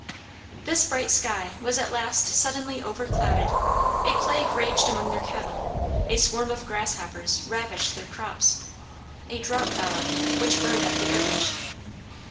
This bright sky was at last suddenly overclouded. A plague raged among their cattle. A swarm of grasshoppers ravaged their crops. A drought followed, which burned up the herbage.